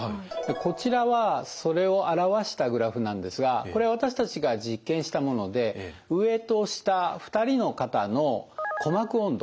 こちらはそれを表したグラフなんですがこれ私たちが実験したもので上と下２人の方の鼓膜温度。